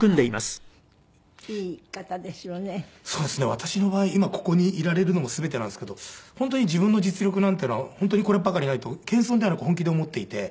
私の場合今ここにいられるのも全てなんですけど本当に自分の実力なんていうのは本当にこれっぱかりないと謙遜ではなく本気で思っていて。